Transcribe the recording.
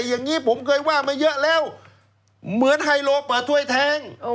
อย่างนี้ผมเคยว่ามาเยอะแล้วเหมือนไฮโลป่าถ้วยแทง